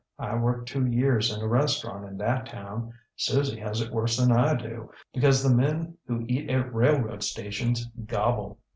I worked two years in a restaurant in that town. Susie has it worse than I do, because the men who eat at railroad stations gobble.